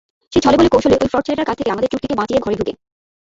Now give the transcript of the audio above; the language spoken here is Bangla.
সে ছলেবলে কৌশলে ঐ ফ্রড ছেলেটার কাছ থেকে আমাদের চুটকিকে বাঁচিয়ে ঘরে ঢুকে।